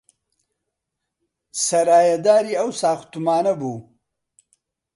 سەرایەداری ئەو ساختومانە بوو